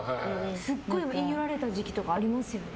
すごい言い寄られた時期とかありますよね？